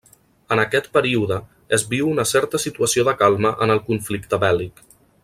En aquest període, és viu una certa situació de calma en el conflicte bèl·lic.